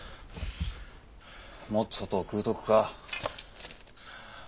もっと砂糖食うとくか？